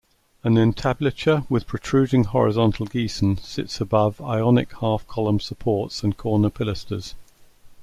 An entablature with protruding horizontal geison sits above Ionic half-column supports and corner pilasters.